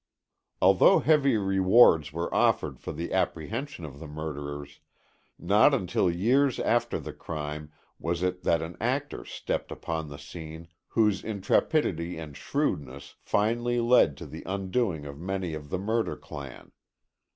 Although heavy rewards were offered for the apprehension of the murderers, not until years after the crime was it that an actor stepped upon the scene whose intrepidity and shrewdness finally led to the undoing of many of the murder clan.